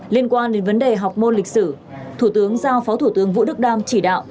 liên quan đến vấn đề học môn lịch sử thủ tướng giao phó thủ tướng vũ đức đam chỉ đạo